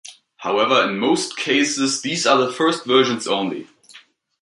However, in most cases these are the first versions only.